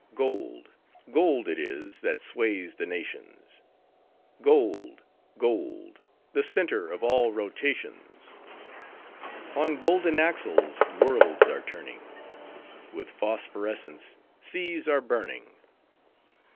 Gold, gold it is, that sways the nations: Gold! gold! the center of all rotations! On golden axles worlds are turning: With phosphorescence seas are burning!